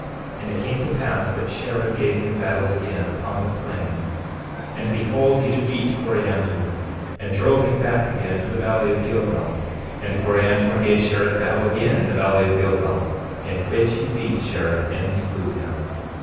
13:29 And it came to pass that Shared gave him battle again upon the plains; and behold, he did beat Coriantumr, and drove him back again to the valley of Gilgal. 13:30 And Coriantumr gave Shared battle again in the valley of Gilgal, in which he beat Shared and slew him.